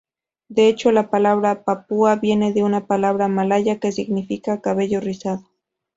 De hecho, la palabra "papúa" viene de una palabra malaya que significa 'cabello rizado'.